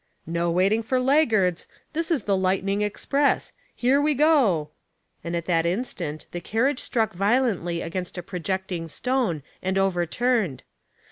" No waiting for laggards. This is the light ning express. Here we go," and at that instant the carriage struck violently against a projecting stone and overturned.